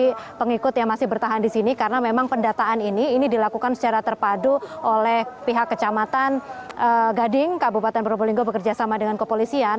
jadi pengikut yang masih bertahan di sini karena memang pendataan ini dilakukan secara terpadu oleh pihak kecamatan gading kabupaten probolinggo bekerja sama dengan kepolisian